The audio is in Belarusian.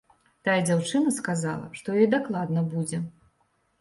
Тая дзяўчына сказала, што ёй дакладна будзе.